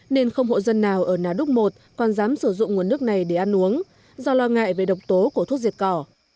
nên không hộ dân nào ở nà đúc một còn dám sử dụng nguồn nước này để ăn uống do lo ngại về độc tố của thuốc diệt cỏ